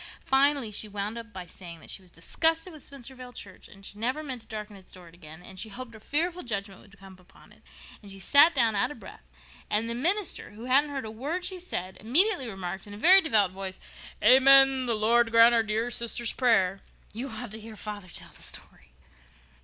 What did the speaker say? Finally she wound up by saying that she was disgusted with Spencervale church and she never meant to darken its door again, and she hoped a fearful judgment would come upon it. Then she sat down out of breath, and the minister, who hadn't heard a word she said, immediately remarked, in a very devout voice, 'amen! The Lord grant our dear sister's prayer!' You ought to hear father tell the story."